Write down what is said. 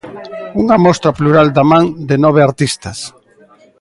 Unha mostra plural da man de nove artistas.